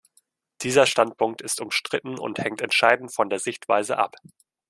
Dieser Standpunkt ist umstritten und hängt entscheidend von der Sichtweise ab.